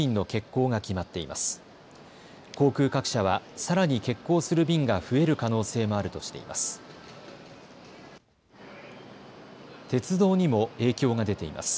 航空各社はさらに欠航する便が増える可能性もあるとしています。